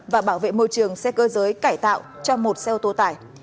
và bảo vệ môi trường xe cơ giới cải tạo cho một xe ô tô tải